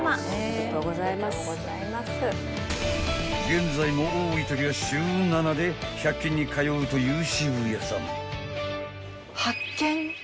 ［現在も多いときは週７で１００均に通うという渋谷さん］